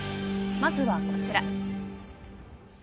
まずはこちら。